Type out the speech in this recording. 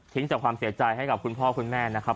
จากความเสียใจให้กับคุณพ่อคุณแม่นะครับ